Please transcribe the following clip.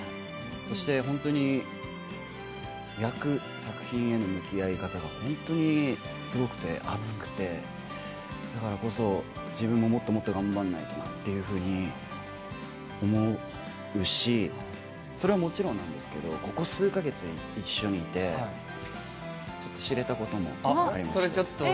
そして本当に役、作品への向き合い方、本当にすごくて熱くて、だからこそ自分ももっともっと頑張らないと、というふうに思うし、それはもちろんなんですけど、ここ数カ月一緒にいてちょっと知れたこともありました。